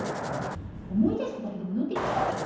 思い出しただけでも脳天腐っちゃう。